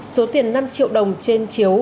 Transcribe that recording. số tiền năm triệu đồng trên chiếu